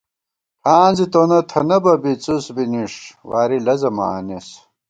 ٹھان زی تونہ تھنہ بہ بی څُسبی نِݭ واری لزہ مہ آنېس